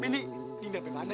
mini please tunggu